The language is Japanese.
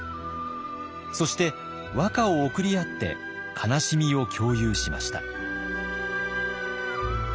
そして和歌を贈り合って悲しみを共有しました。